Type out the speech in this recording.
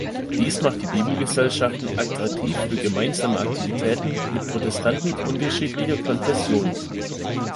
Dies macht die Bibelgesellschaften attraktiv für gemeinsame Aktivitäten mit Protestanten unterschiedlicher Konfession.